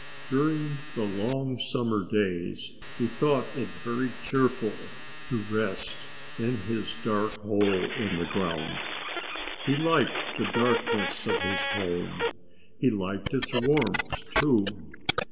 During the long summer days he thought it very cheerful to rest in his dark hole in the ground. He liked the darkness of his home; he liked its warmth, too.